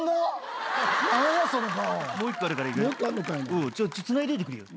もう１個あるからいくよ。